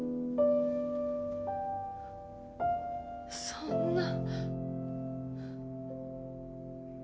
そんな。